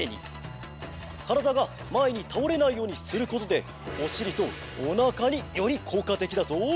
からだがまえにたおれないようにすることでおしりとおなかによりこうかてきだぞ。